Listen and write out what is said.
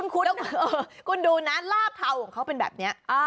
คุณดูนะลาบเทาของเขาเป็นแบบนี้